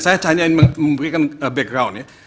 saya hanya ingin memberikan background ya